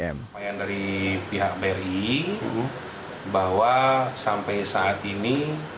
lumayan dari pihak bri bahwa sampai saat ini